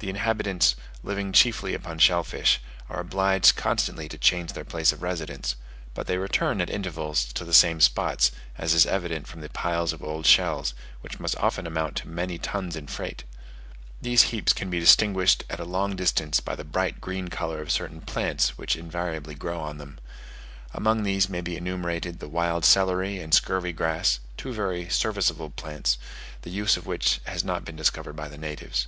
The inhabitants, living chiefly upon shell fish, are obliged constantly to change their place of residence; but they return at intervals to the same spots, as is evident from the piles of old shells, which must often amount to many tons in freight. These heaps can be distinguished at a long distance by the bright green colour of certain plants, which invariably grow on them. Among these may be enumerated the wild celery and scurvy grass, two very serviceable plants, the use of which has not been discovered by the natives.